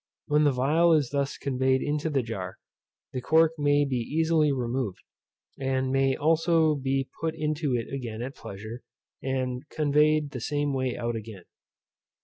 When the phial is thus conveyed into the jar, the cork may easily be removed, and may also be put into it again at pleasure, and conveyed the same way out again.